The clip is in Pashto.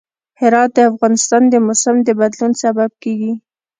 هرات د افغانستان د موسم د بدلون سبب کېږي.